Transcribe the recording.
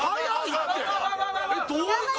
どういう事？